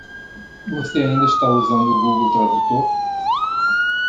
Você ainda está usando o Google Tradutor?